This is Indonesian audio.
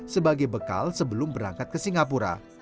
sebagai bekal sebelum berangkat ke singapura